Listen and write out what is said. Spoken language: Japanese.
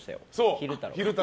昼太郎。